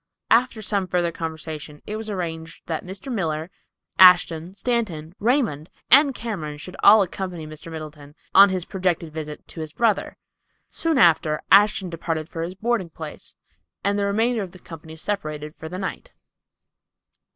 After some further conversation it was arranged that Mr. Miller, Ashton, Stanton, Raymond and Cameron should all accompany Mr. Middleton on his projected visit to his brother. Soon after Mr. Ashton departed for his boarding place, and the remainder of the company separated for the night.